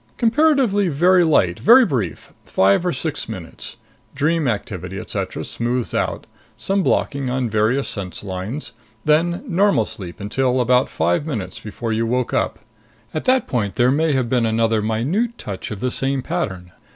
Comparatively very light, very brief. Five or six minutes. Dream activity, etcetera, smooths out. Some blocking on various sense lines. Then, normal sleep until about five minutes before you woke up. At that point there may have been another minute touch of the same pattern.